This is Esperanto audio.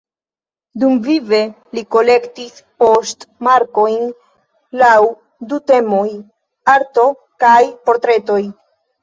Dumvive li kolektis poŝtmarkojn laŭ du temoj: ""Arto"" kaj ""Portretoj"".